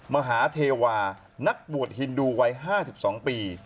มหาเทวานักบวชฮินดูวัย๕๒ปี